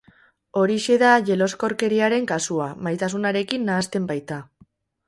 Horixe da jeloskorkeriaren kasua, maitasunarekin nahasten baita.